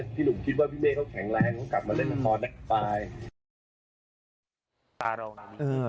พี่หนุ่มคิดว่าพี่เมฆเขาแข็งแรงเขากลับมาเล่นละครปลายตาเรา